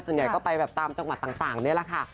ส่วนใหญ่ก็ไปแบบตามจังหวัดต่างนี่แหละค่ะ